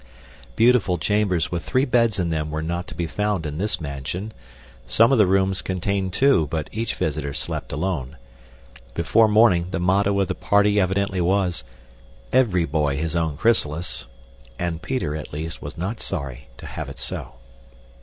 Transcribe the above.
Beautiful chambers with three beds in them were not to be found in this mansion. Some of the rooms contained two, but each visitor slept alone. Before morning, the motto of the party evidently was, "Every boy his own chrysalis," and Peter, at least, was not sorry to have it so.